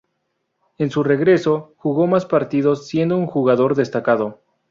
En su regreso, jugó más partidos, siendo un jugador destacado.